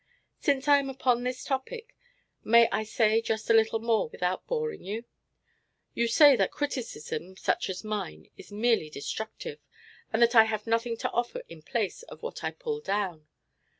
Since I am upon this topic, may I say just a little more without boring you? You say that criticism such as mine is merely destructive, and that I have nothing to offer in place of what I pull down.